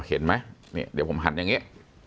เห็นไหมเนี่ยเดี๋ยวผมหันอย่างนี้